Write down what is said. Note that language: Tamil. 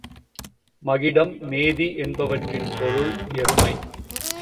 மகிடம், மேதி என்பவற்றின் பொருள் எருமை.